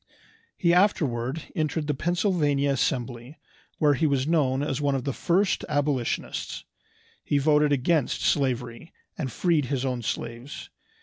He afterward entered the Pennsylvania Assembly, where he was known as one of the first abolitionists. He voted against slavery, and freed his own slaves.